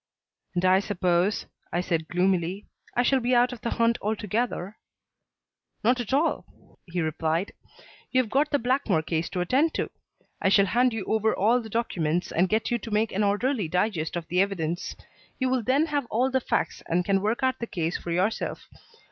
"And I suppose," I said gloomily, "I shall be out of the hunt altogether?" "Not at all," he replied. "You have got the Blackmore case to attend to. I shall hand you over all the documents and get you to make an orderly digest of the evidence. You will then have all the facts and can work out the case for yourself.